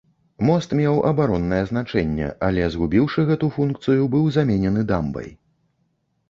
Мост меў абароннае значэнне, але, згубіўшы гэту функцыю, быў заменены дамбай.